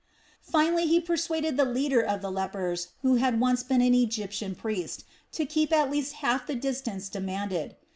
Finally he persuaded the leader of the lepers, who had once been an Egyptian priest, to keep at least half the distance demanded.